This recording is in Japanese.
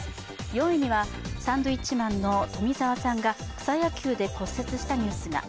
４位にはサンドウィッチマンの富澤さんが草野球で骨折したニュースが。